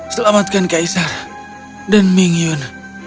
selamatkan kaisar dan mingyun